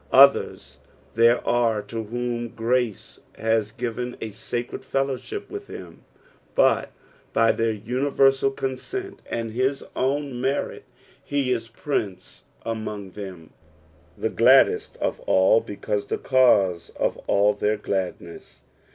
Othere there arc to whom griice has given ft sacred fellowship with him, but by their universal consent and his own meiit, he is prince among them, the giaddeat of all bt cause the cause of all their gladneaa.